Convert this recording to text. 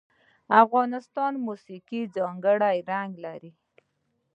د افغانستان موسیقي ځانګړی رنګ لري.